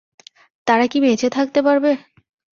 তারা কি বেঁচে থাকতে পারবে?